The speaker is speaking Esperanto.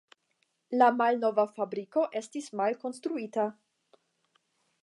La malnova fabriko estis malkonstruita.